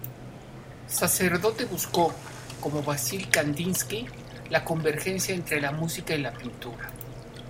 Sacerdote buscó ―como y Vasili Kandinsky― la convergencia entre la música y la pintura.